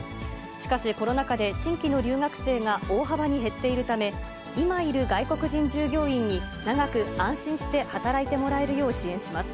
しかし、コロナ禍で新規の留学生が大幅に減っているため、今いる外国人従業員に、長く安心して働いてもらえるよう支援します。